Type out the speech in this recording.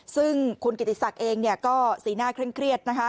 ซึ่งคุณกิติศักดิ์เองก็สีหน้าเคร่งเครียดนะคะ